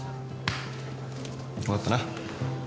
分かったな？